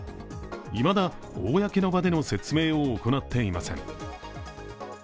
いまだ公の場での説明を行っていません。